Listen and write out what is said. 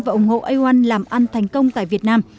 và ủng hộ aom làm ăn thành công tại việt nam